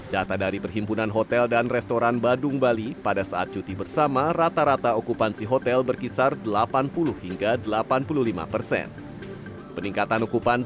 data dari perhimpunan hotel dan restoran badung bali pada saat cuti bersama rata rata okupansi hotel berkisar delapan puluh hingga delapan puluh lima persen